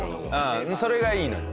それがいいのよ。